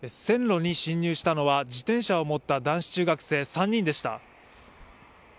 線路に進入したのは自転車を持った男子中学生３人でした。